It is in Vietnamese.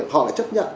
họ lại chấp nhận